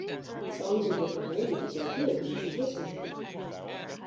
Songs in different languages are good, you should listen to one